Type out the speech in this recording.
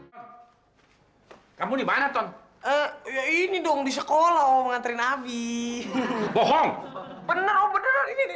hai kamu dimana ton ya ini dong di sekolah mengantarin abi bohong bener bener ini